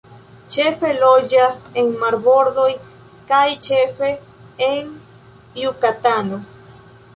Ĉefe loĝas en marbordoj kaj ĉefe en Jukatano.